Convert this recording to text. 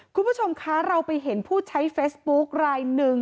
คุณผู้ชมคะเราไปเห็นผู้ใช้เฟซบุ๊คลายหนึ่ง